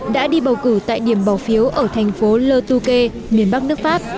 đã đi bầu cử tại điểm bỏ phiếu ở thành phố le touquet miền bắc nước pháp